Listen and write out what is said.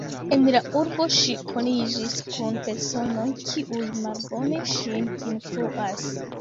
En la urbo ŝi koniĝis kun personoj, kiuj malbone ŝin influas.